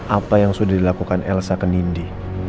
apa yang sudah dilakukan elsa kenindi